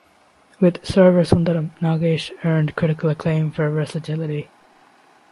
With "Server Sundaram", Nagesh earned critical acclaim for versatility.